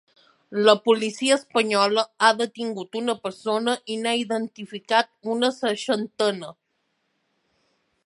La policia espanyola ha detingut una persona i n’ha identificat una seixantena.